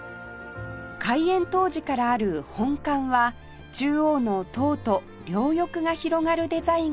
開園当時からある本館は中央の塔と両翼が広がるデザインが特徴